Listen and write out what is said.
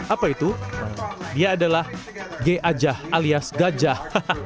apa itu dia adalah gajah alias gajah